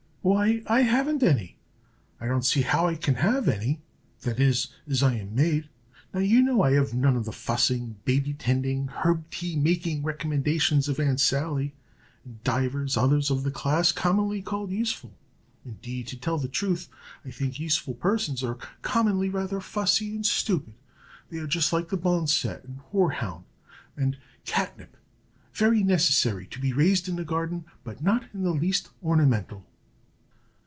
"Why, I haven't any. I don't see how I can have any that is, as I am made. Now, you know, I've none of the fussing, baby tending, herb tea making recommendations of Aunt Sally, and divers others of the class commonly called useful. Indeed, to tell the truth, I think useful persons are commonly rather fussy and stupid. They are just like the boneset, and hoarhound, and catnip very necessary to be raised in a garden, but not in the least ornamental."